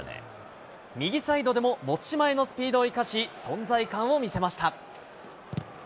右サイドでも持ち前のスピードを生かし、存在感を見せました。